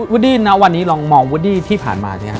วุดดี้ณวันนี้ลองมองวุดดี้ที่ผ่านมาสิฮะ